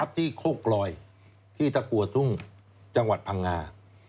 ที่โคกลอยที่ตะกัวทุ่งจังหวัดพังงา